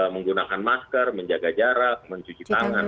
menggunakan masker menjaga jarak mencuci tangan